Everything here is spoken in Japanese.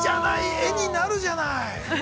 絵になるじゃない。